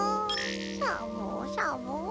サボサボ！